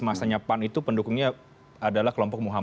masanya pan itu pendukungnya adalah